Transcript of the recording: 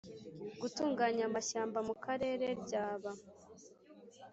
gutunganya amashyamba mu Karere ryaba